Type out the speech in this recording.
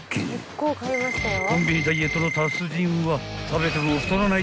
［コンビニダイエットの達人は］